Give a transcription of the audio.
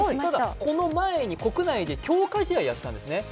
この前に国内で強化試合をやっていたんですね。